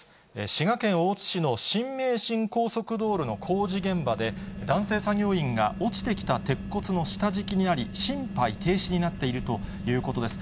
滋賀県大津市の新名神高速道路の工事現場で、男性作業員が落ちてきた鉄骨の下敷きになり、心肺停止になっているということです。